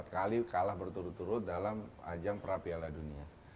empat kali kalah berturut turut dalam ajang prapiala dunia